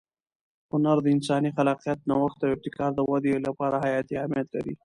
هنر د انساني خلاقیت، نوښت او ابتکار د وده لپاره حیاتي اهمیت لري.